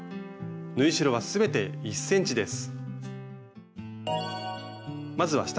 縫い代は全て１ｃｍです。